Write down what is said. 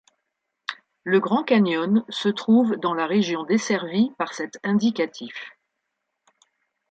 Le Grand Canyon se trouve dans la région desservie par cet indicatif.